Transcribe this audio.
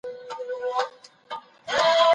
زه اجازه لرم چي کتابتون ته ولاړ سم.